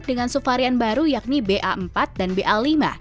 dengan subvarian baru yakni ba empat dan ba lima